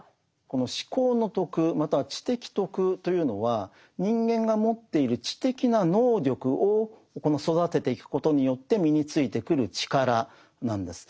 この思考の徳または知的徳というのは人間が持っている知的な能力を育てていくことによって身についてくる力なんです。